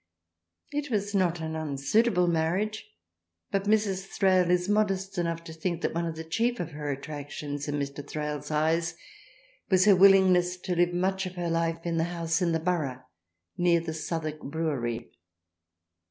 It was not an unsuitable mar riage, but Mrs. Thrale is modest enough to think that one of the chief of her attractions in Mr. Thrale's eyes was her willingness to live much of her life in the house in the Borough near the Southwark Brewery.